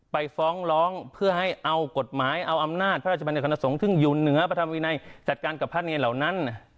ไปฟ้องร้องเพื่อให้เอากฎหมายเอาอำนาจพระราชบัญญคณะสงฆ์ซึ่งอยู่เหนือพระธรรมวินัยจัดการกับพระเนรเหล่านั้น